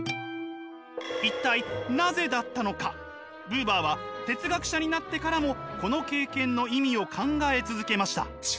ブーバーは哲学者になってからもこの経験の意味を考え続けました。